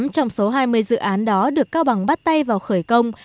một mươi tám trong số hai mươi dự án đó được cao bằng bắt tay vào khởi công